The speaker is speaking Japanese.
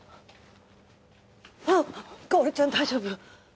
あっかおるちゃん大丈夫？